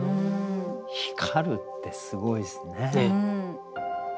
光るってすごいですね。